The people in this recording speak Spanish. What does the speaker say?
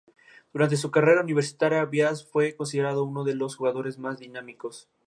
Durante su carrera universitaria Bias fue considerado uno de los jugadores más dinámicos.